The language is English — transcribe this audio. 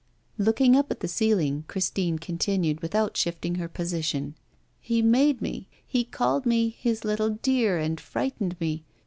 Looking up at the ceiling, Christine continued, without shifting her position: 'He made me; he called me his little dear, and frightened me.